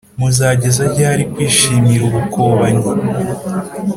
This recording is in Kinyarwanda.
muzageza ryari kwishimira ubukobanyi